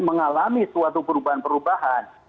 mengalami suatu perubahan perubahan